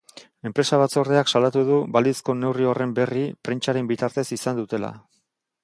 Enpresa batzordeak salatu du balizko neurri horren berri prentsaren bitartez izan dutela.